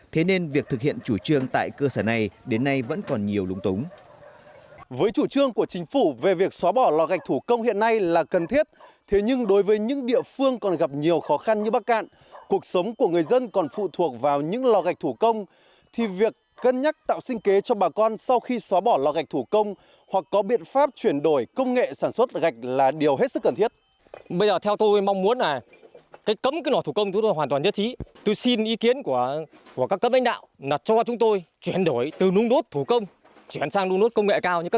thế nên việc thực hiện chủ trương tại cơ sở này đến nay vẫn còn nhiều lúng tống